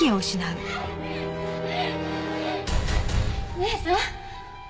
姉さん？